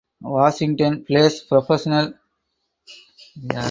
Washington plays professional volleyball for top Italian league team Igor Gorgonzola Novara.